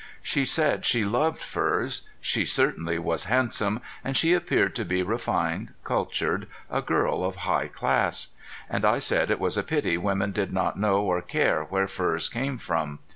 She said she loved furs. She certainly was handsome, and she appeared to be refined, cultured, a girl of high class. And I said it was a pity women did not know or care where furs came from.